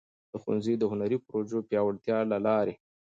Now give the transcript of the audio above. د ښونځي د هنري پروژو د پیاوړتیا له لارې.